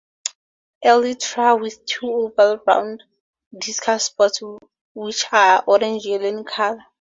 Elytra with two oval rounded discal spots which are orange yellow in color.